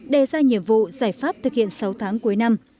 đề ra nhiệm vụ giải pháp thực hiện sáu tháng cuối năm